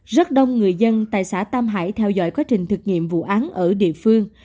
rất đông người dân tại xã tam hải theo dõi quá trình thực nghiệm vụ án ở địa phương